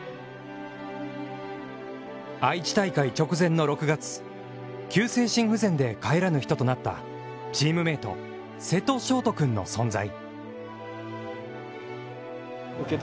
愛知大会直前の６月、急性心不全で帰らぬ人となったチームメイト瀬戸勝登君の存在。